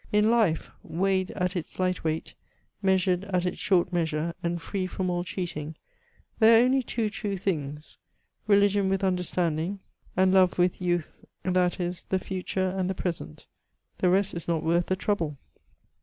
In life, weighed at its light weight, measured at its short measure, and free from all cheating, there are only two true things, — rel^ott with understanding, an^ love with youth CHATEAUBRIAND. 1 63 that is, the future and the present ; the rest is not worth the trouhle.